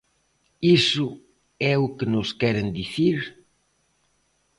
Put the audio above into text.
¿Iso é o que nos queren dicir?